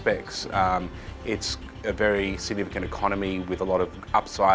kedudukan ekonomi yang sangat signifikan dengan banyak potensi yang berbaloi